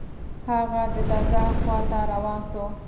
هغه د درګاه خوا ته روان سو.